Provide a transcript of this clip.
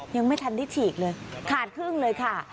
ยังไม่ทันได้ฉีกเลยขาดครึ่งเลยค่ะ